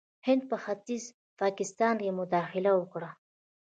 هند په ختیځ پاکستان کې مداخله وکړه.